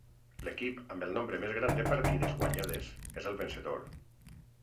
L'equip amb el nombre més gran de partides guanyades és el vencedor.